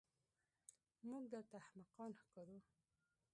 موږ درته احمقان ښکارو.